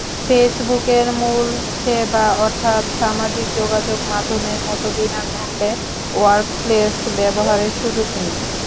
ফেসবুকের মূল সেবা অর্থাৎ সামাজিক যোগাযোগমাধ্যমের মতো বিনা মূল্যে ওয়ার্কপ্লেস ব্যবহারের সুযোগ নেই।